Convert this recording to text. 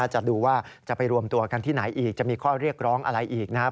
จะดูว่าจะไปรวมตัวกันที่ไหนอีกจะมีข้อเรียกร้องอะไรอีกนะครับ